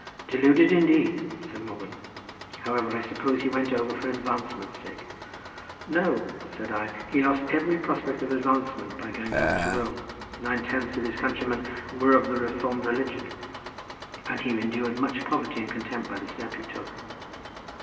"Deluded indeed!" said Morgan. "However, I suppose he went over for advancement's sake." "No," said I; "he lost every prospect of advancement by going over to Rome: nine tenths of his countrymen were of the reformed religion, and he endured much poverty and contempt by the step he took."